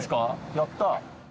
やった。